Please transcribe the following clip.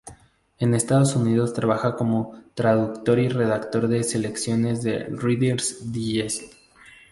En Estados Unidos trabaja como traductor y redactor de Selecciones del Reader's Digest.